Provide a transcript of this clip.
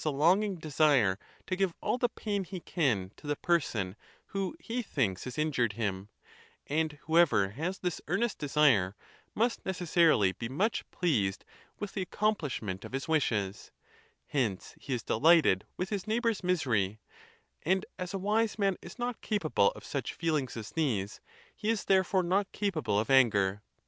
a longing desire to ; give all the pain he can to the person who he thinks has injured him; and whoever has this earnest desire must necessarily be much pleased with the accom plishment of his wishes; hence he is delighted with his neighbor's misery; and as a wise man is not capable of such feelings as these, he is therefore not capable of anger.